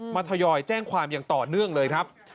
ทยอยแจ้งความอย่างต่อเนื่องเลยครับ